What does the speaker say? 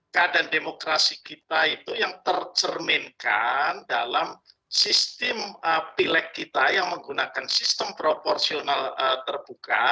keadaan demokrasi kita itu yang tercerminkan dalam sistem pilek kita yang menggunakan sistem proporsional terbuka